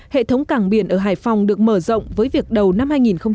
hệ thống càng biển ở hải phòng được mở rộng với việc đầu năm hai nghìn một mươi tám